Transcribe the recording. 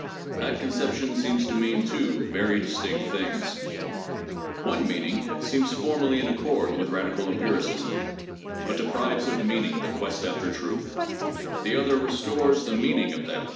That con ception seems to mean two very distinct things. One meaning seems formally in accord with radical empiricism, bvt deprives of meaning the quest after truth; the other restores the meaning of that quest does.